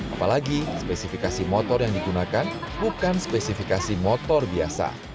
apalagi spesifikasi motor yang digunakan bukan spesifikasi motor biasa